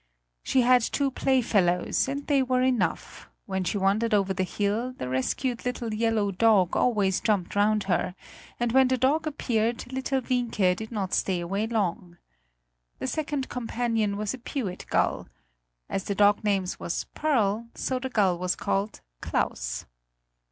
She had two play fellows, and they were enough: when she wandered over the hill, the rescued little yellow dog always jumped round her, and when the dog appeared, little Wienke did not stay away long. The second companion was a pewit gull. As the dog's name was "Pearl" so the gull was called "Claus."